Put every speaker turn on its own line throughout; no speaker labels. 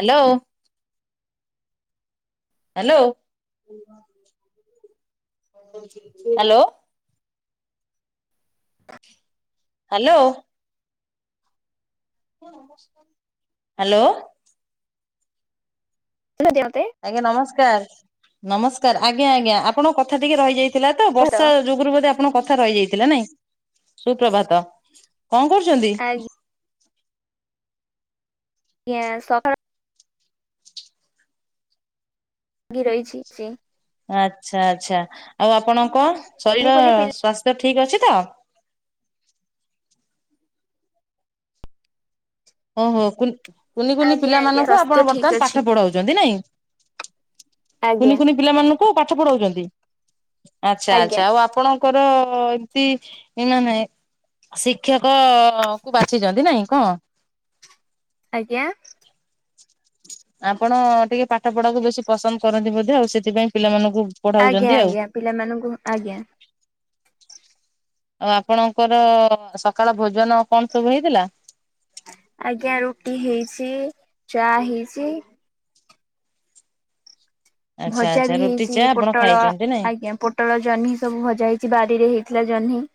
Hello. Hello hello. Hello. Hello
ତତେ
ଆଜ୍ଞା ନମସ୍କାର ନମସ୍କାର ଆଜ୍ଞା ଆଜ୍ଞା ଆପଣଙ୍କ କଥା ଟିକେ ରହିଯାଇଥିଲା ତ
ଭାତ
ବର୍ଷା ଯୁଗରୁ ବୋଧେ ଆପଣଙ୍କ କଥା ରହିଯାଇଥିଲା ନାଇଁ ସୁପ୍ରଭାତ କଣ କରୁଛନ୍ତି?
ଆଜ୍ଞା ଏ ସକା ଗି ରହିଛି
ଆଚ୍ଛା ଆଚ୍ଛା ଆଉ ଆପଣଙ୍କ ଶରୀର
କୁନି ପିଲା
ସ୍ୱାସ୍ଥ୍ୟ ଠିକ ଅଛି ତ? ଓହୋ କୁନି କୁନି
ଆଜ୍ଞା ଆଜ୍ଞା
ପିଲାମାନଙ୍କୁ
ସ୍ୱାସ୍ଥ୍ୟ
ଆପଣ
ଠିକ
ବର୍ତ୍ତମାନ
ଅଛି
ପାଠ ପଢାଉଛନ୍ତି ନାଇଁ। କୁନି
ଆଜ୍ଞା
କୁନି ପିଲାମାନଙ୍କୁ ପାଠ ପଢାଉଛନ୍ତି ଆଛା
ଆଜ୍ଞା
ଆଛା ଆଉ ଆପଣ ଙ୍କର ଏମତି ମାନେ ଶିକ୍ଷକ କୁ ବାଛିଛନ୍ତି ନାଇଁ କଣ।
ଆଜ୍ଞା
ଆପଣ ଟିକେ ପାଠ ପଢାକୁ ବେଶୀ ପସନ୍ଦ କରନ୍ତି ବୋଧେ ଆଉ ସେଥିପାଇଁ ପିଲାମାନଙ୍କୁ ପଢାଉଛନ୍ତି
ଆଜ୍ଞା
ଆଉ।
ଆଜ୍ଞା ପିଲାମାନଙ୍କୁ ଆଜ୍ଞା
ଆଉ ଆପଣଙ୍କର ସକାଳ ଭୋଜନ କଣ ସବୁ ହେଇଥିଲା?
ଆଜ୍ଞା ରୁଟି ହେଇଛି ଚା ହେଇଛି।
ଆଚ୍ଛା
ଭଜା
ଆଚ୍ଛା
ବି
ରୁଟି
ହେଇଛି
ଚା ଆପଣ
ପୋଟଳ
ଖାଇଛନ୍ତି ନାଇଁ।
ଆଜ୍ଞା ପୋ ପୋଟଳ ଜହ୍ନି ସବୁ ଭଜା ହେଇଛି ବାରିରେ ହେଇଥିଲା ଜହ୍ନି।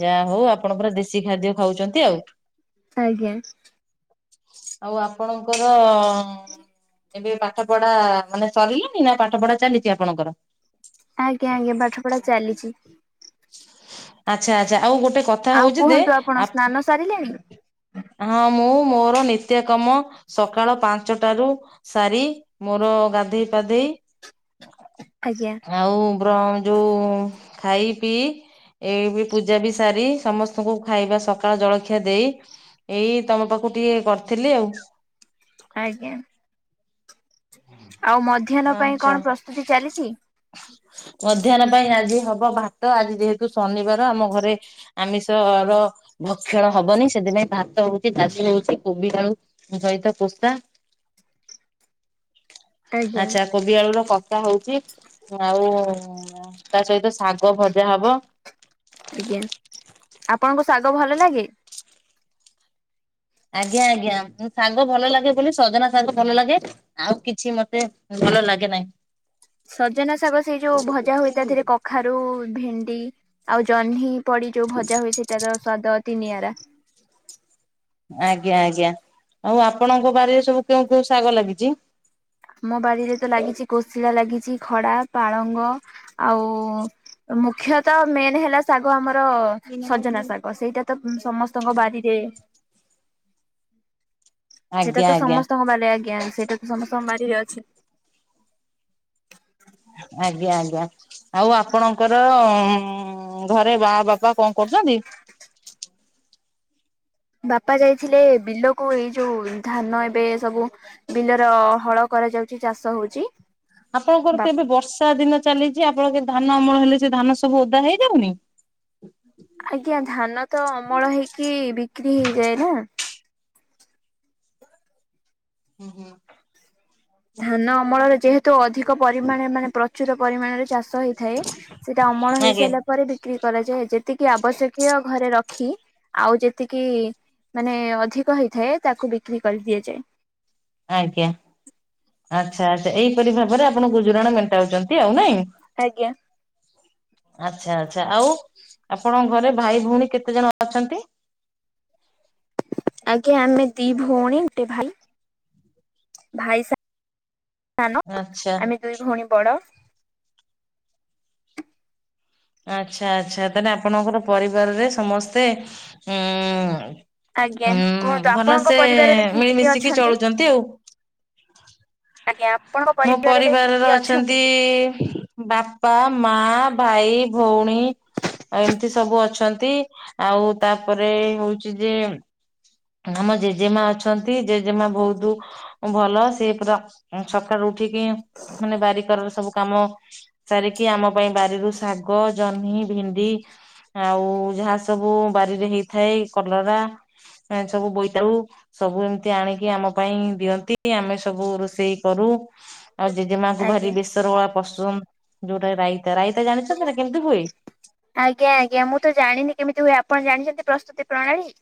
ଯାହା ହଉ ଆପଣ ପୁରା ଦେଶୀ ଖାଦ୍ୟ ଖାଉଛନ୍ତି ଆଉ।
ଆଜ୍ଞା।
ଆଉ ଆପଣଙ୍କର ଏବେ ପାଠ ପଢା ମାନେ ସରିଲନି ନା ପାଠ ପଢା ଚାଲିଛି ଆପଣଙ୍କର
ଆଜ୍ଞା ଆଜ୍ଞା ପାଠ ପଢା ଚାଲିଛି।
ଆଚ୍ଛା ଆଛା ଆଉ ଗୋଟେ କଥା
ଆଉ
ହଉଛି ଯେ
କୁହନ୍ତୁ ଆପଣ ସ୍ନାନ ସାରିଲେଣି?
ହଁ ମୁଁ ମୋର ନିତ୍ୟକର୍ମ ସକାଳ ପାଞ୍ଚଟାରୁ ସାରି ମୋର ଗାଧେଇ ପାଧେଇ
ଆଜ୍ଞା।
ଆଉ ଵ୍ର ଯୋଉ ଖାଇ ପିଇ ଏଇ ପୂଜା ବି ସାରି ସମସ୍ତଙ୍କୁ ଖାଇବା ସକାଳ ଜଳଖିଆ ଦେଇ ଏଇ ତମ ପାଖକୁ ଟିକେ କରିଥିଲି ଆଉ।
ଆଜ୍ଞା ଆଉ ମଧ୍ୟାହ୍ନ ପାଇଁ
ଆଚ୍ଛା
କଣ ପ୍ରସ୍ତୁତି ଚାଲିଛି?
ମଧ୍ୟାହ୍ନ ପାଇଁ ଆଜି ହବ ଭାତ ଆଜି ଯେହେତୁ ଶନିବାର ଆମ ଘରେ ଆମିଷ ର ଭକ୍ଷଣ ହବନି ସେଥିପାଇଁ ଭାତ ହଉଛି ଚାଷ ହଉଛି କୋବି ଆଳୁ ଜଇତା ପୋସ୍ତା।
ଆଜ୍ଞା
ଆଚ୍ଛା। କୋବି ଆଳୁ ର କପ୍ତା ହଉଚି ଆଉ ତା ସହିତ ଶାଗ ଭଜା ହବ।
ଆଜ୍ଞା ଆପଣଙ୍କୁ ଶାଗ ଭଲ ଲାଗେ?
ଆଜ୍ଞା ଆଜ୍ଞା ଉଁ ଶାଗ ଭଲ ଲାଗେ ବୋଲି ସଜନା ଶାଗ ଭଲ ଲାଗେ। ଆଉ କିଛି ମତେ ଭଲ ଲାଗେ ନାହିଁ।
ସଜନା ଶାଗ ସେଇ ଯୋଉ ଭଜା ହୁଏ। ଧେରେ କଖାରୁ, ଭେଣ୍ଡି ଆଉ ଜହ୍ନି, ପଡି ଯୋଉ ଭଜା ହୁଏ ସେଟାର ସ୍ଵାଦ ଅତି ନିଆରା।
ଆଜ୍ଞା ଆଜ୍ଞା ଆଉ ଆପଣଙ୍କ ବାରିରେ ସବୁ କେଉ କେଉଁ ଶାଗ ଲାଗିଚି?
ମୋ ବାଡିରେ ତ ଲାଗିଛି କୋଷିଲା ଲାଗିଛି ଖଡ଼ା, ପାଳଙ୍ଗ। ଆଉ ମୁଖ୍ୟତଃ ମେନ୍ ହେଲା- ଶାଗ ଆମର ସଜନା ଶାଗ ସେଇଟା ତ ଉଁ ସମସ୍ତଙ୍କ ବାରିରେ ସେଟା
ଆଜ୍ଞା
ତ
ଆଜ୍ଞା
ସମସ୍ତଙ୍କ ବାଡିରେ ଆଜ୍ଞା ସେଇଟା ତ ସମସ୍ତଙ୍କ ବାଡିରେ ଅଛି।
ଆଜ୍ଞା ଆଜ୍ଞା। ଆଉ ଆପଣଙ୍କର ଉଁ ଘରେ ବା ବାପା କଣ କରୁଛନ୍ତି?
ବାପା ଯାଇଥିଲେ ବିଲକୁ ଏଇ ଯୋଉ ଧାନ ଏବେ ସବୁ ବିଲର ହଳ କରାଯାଉଛି ଚାଷ ହଉଛି।
ଆପଣଙ୍କର
ବାପା
କେ ଏବେ ବର୍ଷା ଦିନ ଚାଲିଚି। ଆପଣ କେ ଧାନ ଅମଳ ହେଲେ ସେ ଧାନ ସବୁ ଓଦା ହେଇଯାଉନି?
ଆଜ୍ଞା ଧାନ ତ ଅମଳ ହେଇକି ବିକ୍ରି ହେଇଯାଏ ନା।
ଉଁ ହୁଁ।
ଧାନ ଅମଳରେ ଯେହେତୁ ଅଧିକ୍ କ ପରିମାଣ ମାନେ ପ୍ରଚୁର ପରିମାଣରେ ଚାଷ ହେଇଥାଏ। ସେଇଟା ଅମଳ
ଆଜ୍ଞା
ହେଇସାରିଲା ପରେ ବି କ୍ରି କରାଯାଏ। ଯେତିକି ଆବଶ୍ୟକୀୟ ଘରେ ରଖି ଆଉ ଯେତିକି ମାନେ ଅଧିକ ହେଇଥାଏ ତାକୁ ବିକ୍ରି କରିଦିଆଯାଏ।
ଆଜ୍ଞା। ଆଚ୍ଛା ଆଚ୍ଛା ତ ଏଇପରି ଭାବରେ ଆପଣ ଗୁଜୁରାଣ ମେଣ୍ଟାଉଛନ୍ତି ଆଉ ନାଇଁ?
ଆଜ୍ଞା।
ଆଚ୍ଛା ଆଚ୍ଛା ଆଉ ଆପଣଙ୍କ ଘରେ ଭାଇ ଭଉଣୀ କେତେ ଜଣ ଅଛନ୍ତି?
ଆଜ୍ଞ ଆମେ ଦି ଭଉଣୀ ଗୋଟେ ଭାଈ। ଭାଈ ସା ସାନ
ଆଚ୍ଛା
ଆମେ ଦୁଇ ଭଉଣୀ ବଡ।
ଆଚ୍ଛା ଆଚ୍ଛା ତାହେଲେ ଆପଣଙ୍କର ପରିବାରରେ ସମସ୍ତେ ହୁଁ
ଆଜ୍ଞା କୁହନ୍ତୁ
ଉଁ
ଆପଣଙ୍କ
ଭଲସେ
ପରିବାରରେ କିଏ କିଏ
ମିଳିମିଶିକି
ଅଛନ୍ତି?
ଚଳୁଛନ୍ତି ଆଉ।
ଆଜ୍ଞା ଆପଣ?
ମୋ ପରିବାରର ଅଛନ୍ତି ବାପା, ମାଆ, ଭାଇ, ଭଉଣୀ ଆଉ ଏମିତି ସବୁ ଅଛନ୍ତି। ଆଉ ତା ପରେ ହଉଚି ଯେ ଆମ ଜେଜେମା ଅଛନ୍ତି ଜେଜେମା ବହୁତ ଭଲ। ସେ ପୁରା ଉଁ ସକାଳୁ ଉଠିକି ମାନେ ବାରିକର ର ସବୁ କାମ ସାରିକି ଆମ ପାଇଁ ବାରିରୁ ଶାଗ, ଜହ୍ନି, ଭେଣ୍ଡି ଆଉ ଯାହା ସବୁ ବାରିରେ ହେଇଥାଏ କଲରା ଆଁ ସବୁ ବୋଇତାଉ ସବୁ ଏମିତି ଆଣିକି ଆମ ପାଇଁ ଦିଅନ୍ତି ଆମେ ସବୁ ରୋଷେଇ କରୁ। ଆଉ ଜେଜେମାଆଙ୍କୁ
ଆଜ୍ଞା
ଭାରି ବେସର ଗୁରା ପସନ୍ଦ ଯୋଉଟା ରାଇ ରାଇତା ଜାଣିଛନ୍ତି ନା କେମିତି ହୁଏ?
ଆଜ୍ଞା ଆଜ୍ଞା ମୁଁ ତ ଜାଣିନି କେମିତି ହୁଏ। ଆପଣ ଜାଣିଛନ୍ତି ପ୍ରସ୍ତୁତି ପ୍ରଣାଳୀ?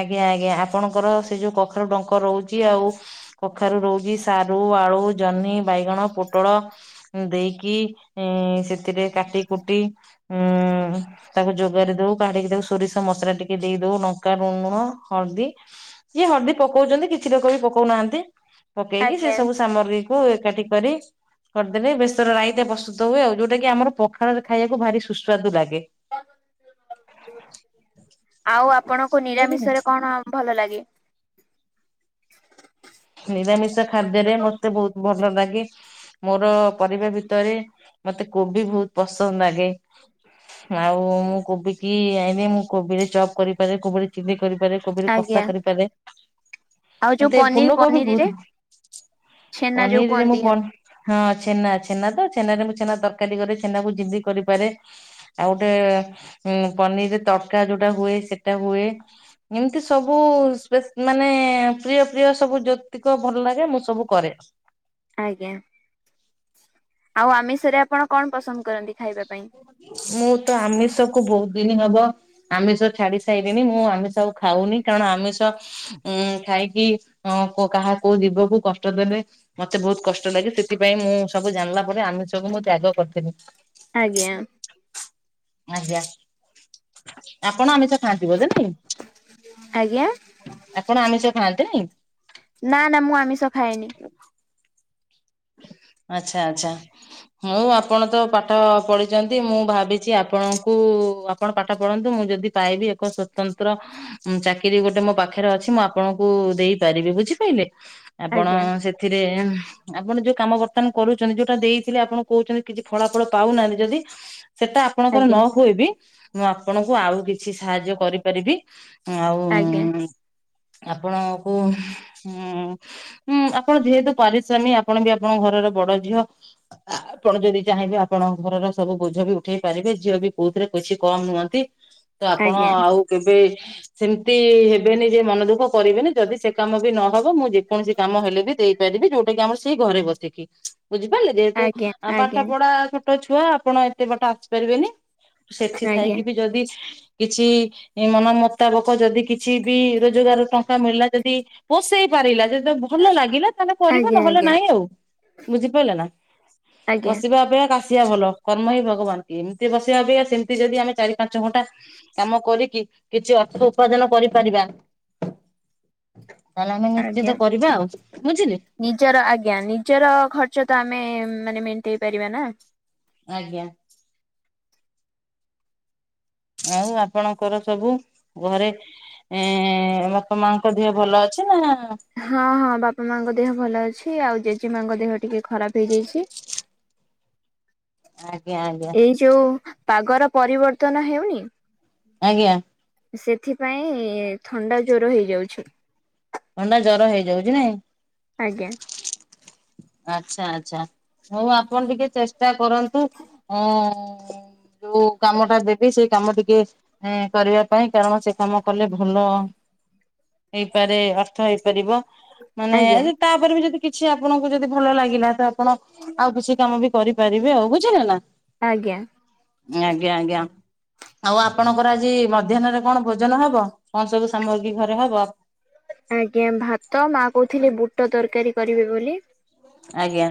ଆଜ୍ଞା ଆଜ୍ଞା ଆପଣଙ୍କର ସେ ଯୋଉ କଖାରୁ ଡଙ୍କ ରହୁଛି ଆଉ କଖାରୁ ରହୁଛି ସାରୁ, ଆଳୁ, ଜହ୍ନି, ବାଇଗଣ, ପୋଟଳ ଉଁ ଦେଇକି ଏଁ ସେଥିରେ କାଟି କୁଟି ଉୁଁ ତାକୁ ଯୋଗାରି ଦଉ କାଢିକି ତାକୁ ସୋରିଷ ମସଲା ଟିକେ ଦେଇଦଉ ନ ଲଙ୍କା, ଲୁଣ, ହଳଦୀ ଯିଏ ହଳଦୀ ପକଉଛନ୍ତି କିଛି ଲୋକ ବି ପକଉନାହାଁନ୍ତି। ପକେଇକି ସେ
ଆଜ୍ଞା।
ସବୁ ସାମଗ୍ରୀକୁୁ ଏକାଠି କରି କରିଦେବେ ବେଶର ରାଇତା ପ୍ରସ୍ତୁତ ହୁଏ ଆଉ ଯୋଉଟା କି ଆମ ପଖାଳରେ ଖାଇବାକୁ ଭାରି ସୁସ୍ୱାଦୁ ଲାଗେ।
ଆଉ ଆପଣଙ୍କୁ
ବୁଝିଲେ।
ନିରାମିଷ ରେ କଣ ଭଲ ଲାଗେ?
ନିରାମିଷ ଖାଦ୍ୟରେ ମତେ ବହୁତ ଭଲ ଲାଗେ। ମୋର ପରିବା ଭିତରେ ମତେ କୋବି ବହୁତ ପସନ୍ଦ ଲାଗେ। ଆଉ ମୁଁ କୋବି କି ଆଇନି ମୁଁ କୋବିରେ ଚପ୍ କରିପାରେ କୋବିରେ ଚିଲି କରିପାରେ। କୋବିର
ଆଜ୍ଞା
କଷା କରିପାରେ
ଆଉ ଯୋଉ
ମତେ
ପନିର
ଫୁଲକୋବି
ପନିରରେ
ବହୁତ ପସନ୍ଦ
ଛେନା ଯୋଉ
ପନିରରେ ମୁଁ
କୁହନ୍ତି
ହଁ ଛେନା ଛେନା ତ ଛେନାରେ ମୁଁ ଛେନା ତରକାରୀ କରେ ଛେନାକୁ ଜିନ୍ଦି କରିପାରେ। ଆଉ ଗୋଟେ ଉ ପନିରରେ ତରକା ଯୋଉଟା ହୁଏ ସେଟା ହୁଏ। ଏମିତି ସବୁ ମାନେ ପ୍ରିୟ ପ୍ରିୟ ସବୁ ଜ୍ୟତିକ ଭଲ ଲାଗେ ମୁଁ ସବୁ କରେ।
ଆଜ୍ଞା ଆଉ ଆମିଷରେ ଆପଣ କଣ ପସନ୍ଦ କରନ୍ତି ଖାଇବା ପାଇଁ?
ମୁଁ ତ ଆମିଷକୁ ବହୁତ ଦିନ ହବ ଆମିଷ ଛାଡି ସାରିଲିଣି ମୁଁ ଆମିଷ ଆଉ ଖାଉନି କାରଣ ଆମିଷ ଉଁ ଖାଇକି ଅ କାହା କୋଉ ଜୀବକୁ କଷ୍ଟ ଦେଲେ। ମତେ ବହୁତ କଷ୍ଟ ଲାଗେ ସେଥିପାଇଁ ମୁଁ ସବୁ ଜାଣିଲା ପରେ ଆମିଷକୁ ମୁଁ ତ୍ୟାଗ କରିଥିଲି।
ଆଜ୍ଞା।
ଆଜ୍ଞା ଆପଣ ଆମିଷ ଖାଆନ୍ତି ବଧେ ନାଇଁ?
ଆଜ୍ଞା।
ଆପଣ ଆମିଷ ଖାଆନ୍ତିନାଇଁ?
ନା ନା ମୁଁ ଆମିଷ ଖଏନି।
ଆଛା ଆଛା। ହଁଉ ଆପଣ ତ ପାଠ ପଢିଛନ୍ତି ମୁଁ ଭାବିଛି ଆପଣଙ୍କୁ ଆପଣ ପାଠ ପଢନ୍ତୁ ମୁଁ ଯଦି ପାଇବି ଏକ ସ୍ଵତନ୍ତ୍ର ଚାକିରି ଗୋଟେ ମୋ ପାଖରେ ଅଛି ମୁଁ ଆପଣଙ୍କୁ ଦେଇପାରିବି ବୁଝିପାରିଲେ। ଆପଣ
ଆଜ୍ଞା
ସେଥିରେ ଆପଣ ଯୋଉ କାମ ବର୍ତ୍ତମାନ କରୁଛନ୍ତି ଯୋଉଟା ଦେଇଥିଲେ ଆପଣ କହୁଛନ୍ତି କିଛି ଫଳା ଫଳ ପାଉନାହାନ୍ତି। ଯଦି ସେଟା ଆପଣଙ୍କର ନ
ଆଜ୍ଞା।
ହୁଏ ବି ମୁଁ ଆପଣଙ୍କୁ ଆଉ କିଛି ସାହାଯ୍ୟ କରିପାରିବି। ଆଉ
ଆଜ୍ଞା
ଆପଣକୁ ଉଁଁ ଆପଣ ଯେହେତୁ ପରି ସ୍ୱାମୀ ଆପଣ ବି ଆପଙ୍କ ଘରର ବଡ ଝିଅ। ଆପଣ ଯଦି ଚାହିଁବେ ଆପଣଙ୍କ ଘରର ସବୁ ବୋଝ ବି ଉଠେଇ ପାରିବେ ଝିଅ ବି କୋଉଥିରେ କିଛି କମ ନୁହଁନ୍ତି। ତ ଆପଣ
ଆଜ୍ଞା
ଆଉ କେବେ ସେମିତି ହେବେନି ଯେ ମନ ଦୁଃଖ କରିବେନି ଯଦି ସେ କାମ ବି ନହବ ମୁଁ ଯେକୌଣସି କାମ ହେଲେ ବି ଦେଇପାରିବି ଯୋଉଟା କି ଆମର ସେଇ ଘରେ ବସିକି। ବୁଝିପାରିଲେ ଯେହେତୁ
ଆଜ୍ଞା ଆଜ୍ଞା
ପାଠ ପଢା ଛୋଟ ଛୁଆ ଆପଣ ଏତେ ବାଟ ଆସିପାରିବେନି। ସେଠି
ଆଜ୍ଞା
ଥାଇକି ବି ଯଦି କିଛି ମନ ମୁତାବକ ଯଦି କିଛି ବି ରୋଜଗାର ଟଙ୍କା ମିଳିଲା ଯଦି ପସେଇ ପାରିଲା ଯେଦେବେ ଭଲ ଲାଗିଲା ତାହେଲେ କରି ନହେଲେ
ଆଜ୍ଞା
ନାଇଁ ଆଉ ବୁଝିପାରିଲେ ନା
ଆଜ୍ଞା ଆଜ୍ଞା
ବସିବା ଅପେକ୍ଷା କା ବସିବା ଭଲ କର୍ମ ହିଁ ଭଗବାନ କି ଏମିତି ବସିବାବେ ସେମିତି ଯଦି ଆମେ ଚାରି ପାଞ୍ଚ ଘଣ୍ଟା କାମ କରିକି କିଛି ଅର୍ଥ ଉପାର୍ଜନ କରିପାରିବା। ତାହେଲେ ଆମେ
ଆଜ୍ଞା।
ନିଶ୍ଚିତ କରିବା ଆଉ ବୁଝିଲି।
ନିଜର ଆଜ୍ଞା ନିଜର ଖର୍ଚ୍ଚ ତ ଆମେ ମାନେ ମେଣ୍ଟେଇ ପାରିବା ନା।
ଆଜ୍ଞା। ଆଉ ଆପଣଙ୍କର ସବୁ ଘରେ ଏଁ ବାପା ମାଙ୍କ ଦେହ ଭଲ ଅଛି ନା?
ହଁ ହଁ ବାପା ମାଙ୍କ ଦେହ ଭଲ ଅଛି ଆଉ ଜେଜେ ମାଙ୍କ ଦେହ ଟିକେ ଖରାପ ହେଇଯାଇଛି।
ଆଜ୍ଞା ଆଜ୍ଞା।
ଏଇ ଯୋଉ ପାଗର ପରିବର୍ତ୍ତନ ହେଉନି।
ଆଜ୍ଞା
ସେଥିପାଇଁ ଥଣ୍ଡା ଜ୍ଵର ହେଇଯାଉଛି।
ଥଣ୍ଡା ଜ୍ୱର ହେଇଯାଉଛି ନାଇଁ।
ଆଜ୍ଞା।
ଆଚ୍ଛା ଆଚ୍ଛା ହଉ ଆପଣ ଟିକେ ଚେଷ୍ଟା କରନ୍ତୁ ଅ ଯୋଉ କାମ ଟା ଦେବି ସେଇ କାମ ଟିକେ ଏ କରିବା ପାଇଁ କାରଣ ସେ କାମ କଲେ ଭଲ ହେଇପାରେ ଅର୍ଥ ହେଇପାରିବ ମାନେ
ଆଜ୍ଞା
ଆ ତାପରେ ବି ଯଦି କିଛି ଆପଣ ଯଦି ଭଲ ଲାଗିଲା ତ ଆପଣ ଆଉ କିଛି କାମ ବି କରିପାରିବେ ଆଉ ବୁଝିଲେ ନା
ଆଜ୍ଞା।
ହଁ ଆଜ୍ଞା ଆଜ୍ଞା। ଆଉ ଆପଣଙ୍କର ଆଜି ମଧ୍ୟାହ୍ନରେ କଣ ଭୋଜନ ହବ କଣ ସବୁ ସାମଗ୍ରୀ ଘରେ ହବ।
ଆଜ୍ଞା ଭାତ ମା କହୁଥିଲେ ବୁଟ ତରକାରୀ କରିବେ ବୋଲି।
ଆଜ୍ଞା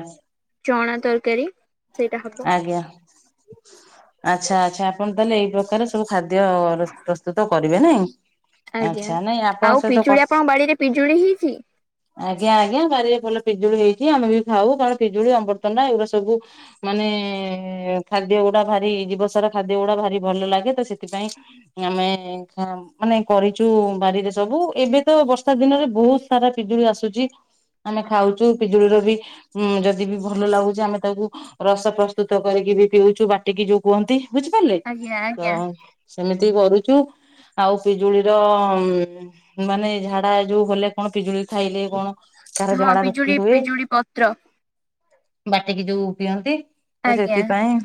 ଚଣା ତରକାରୀ। ସେଇଟା ହବ
ଆଜ୍ଞା। ଆଚ୍ଛା ଆଚ୍ଛା ଆପଣ ତାହେଲେ ଏଇ ପ୍ରକାର ସବୁ ଖାଦ୍ୟ ପ୍ରସ୍ତୁତ କରିବେ ନାଇଁ।
ଆଜ୍ଞା
ଆଚ୍ଛା ନାଇଁ ଆପଣଙ୍କ
ଆଉ
ସହିତ
ପିଜୁଳି
କ
ଆପଣଙ୍କ ବାଡିରେ ପିଜୁଳି ହେଇଚି।
ଆଜ୍ଞା ଆଜ୍ଞା ବାରିରେ ଭଲ ପିଜୁଳି ହେଇଛି ଆମେ ବି ଖାଉ କାରଣ ପିଜୁଳି ଅମୃତଭଣଣ୍ଡା ଏଉରା ସବୁ ମାନେ ଖାଦ୍ୟ ଗୁଡା ଭାରି ଜିବସାର ଖାଦ୍ୟ ଗୁଡା ଭାରି ଭଲ ଲାଗେ ତ ସେଥିପାଇଁ ଆମେ ଖାଁଉ। ମାନେ କରିଛୁ ବାରିରେ ସବୁ ଏବେ ତ ବର୍ଷା ଦିନରେ ବହୁତ ସାରା ପିଜୁଳି ଆସୁଚି। ଆମେ ଖାଉଛୁ ପିଜୁଳିର ବି ଉ ଯଦି ବି ଭଲ ଲାଗୁଛି ଆମେ ତାକୁ ରସ ପ୍ରସ୍ତୁତ କରିକି ବି ପିଉଛୁ ବାଟିକି ଯୋଉ କୁହନ୍ତି ବୁଝିପାରିଲେ
ଆଜ୍ଞା
ଅ
ଆଜ୍ଞା।
ସେମିତି କରୁଚୁ। ଆଉ ପିଜୁଳିର ମାନେ ଝାଡା ଯୋଉ ହେଲେ କଣ ପିଜୁଳି ଖାଇଲେ କଣ ତାର
ହଁ
ଝାଡା
ପିଜୁଳି
ରୋକି ହୁଏ।
ପିଜୁଳି ପତ୍ର
ବାଟିକି ଯୋଉ ପିଅନ୍ତି ତ
ଆଜ୍ଞା
ସେଥିପାଇଁ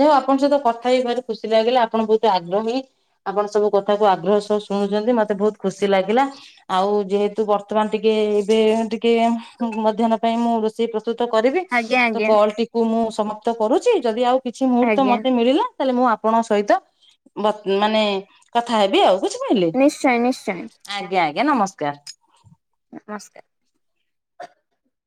ଯ ଆପଣଙ୍କ ସହିତ କଥା ହେଇ ଭାରି ଖୁସି ଲାଗିଲା ଆପଣ ବହୁତ ଆଗ୍ରହୀ। ଆପଣ ସବୁ କଥାକୁ ଆଗ୍ରହ ସହ ଶୁଣୁଛନ୍ତି ମତେ ବହୁତ ଖୁସି ଲାଗିଲା। ଆଉ ଯେହେତୁ ବର୍ତ୍ତମାନ ଟିକେ ଏବେ ଟିକେ ମଧ୍ୟାନ ପାଇଁ ମୁଁ ରୋଷେଇ ପ୍ରସ୍ତୁ ପ୍ରସ୍ତୁତ କରିବି
ଆଜ୍ଞା
ତ
ଆଜ୍ଞା
କଲ ଟିକୁ ମୁଁ ସମାପ୍ତ କରୁଛି। ଯଦି ଆଉ କିଛି ମୁହୂର୍ତ୍ତ
ଆଜ୍ଞା
ମତେ ମିଳିଲା ତାହେଲେ ମୁଁ ଆପଣଙ୍କ ସହିତ ମାନେ କଥା ହେବି ଆଉ। ବୁଝି ପାରିଲେ
ନିଶ୍ଚୟ ନିଶ୍ଚୟ
ଆଜ୍ଞା ଆଜ୍ଞା ନମସ୍କାର।
ନମସ୍କାର।